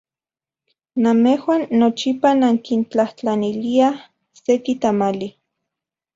Namejuan nochipa nankintlajtlaniliaj seki tamali.